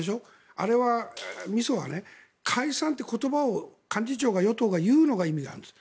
あれのみそは解散という言葉を幹事長が与党が言うことに意味があるんですよ。